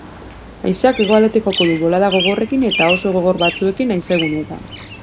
Haizeak hegoaldetik joko du, bolada gogorrekin, eta oso gogor batzuekin haizeguneetan.